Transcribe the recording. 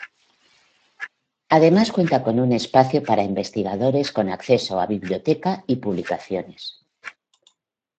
Además cuenta con un espacio para investigadores con acceso a biblioteca y publicaciones.